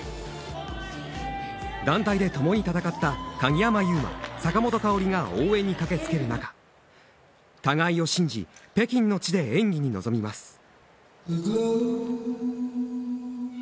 団体で共に戦った鍵山優真、坂本花織が応援に駆け付ける中互いを信じ北京の地で演技に臨みます。